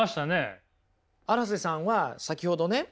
荒瀬さんは先ほどね